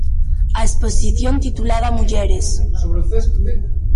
A exposición titulada Mulleres.